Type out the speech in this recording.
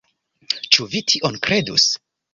Ĉu vi tion kredus!